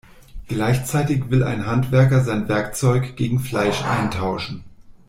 Gleichzeitig will ein Handwerker sein Werkzeug gegen Fleisch eintauschen.